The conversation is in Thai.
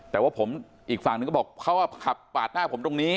แต่ว่าผมอีกฝั่งหนึ่งก็บอกเขาขับปาดหน้าผมตรงนี้